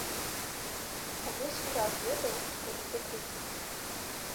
Увесь урад ведаў, што ідзе крызіс.